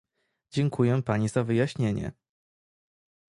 Dziękuję pani za wyjaśnienie